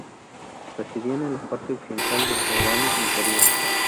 Residían en la parte occidental del Ródano inferior.